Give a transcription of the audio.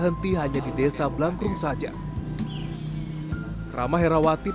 setahun lama memiliki pelajaran pendapatan